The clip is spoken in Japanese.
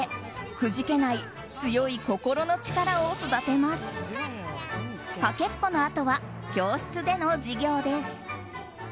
かけっこのあとは教室での授業です。